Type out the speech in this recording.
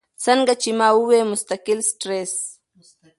څنګه چې ما اووې مستقل سټرېس ،